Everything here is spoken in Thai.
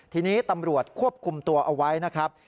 ทีนี้ตำรวจควบคุมตัวเอาไว้นะครับ